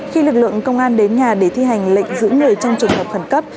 khi lực lượng công an đến nhà để thi hành lệnh giữ người trong trường hợp khẩn cấp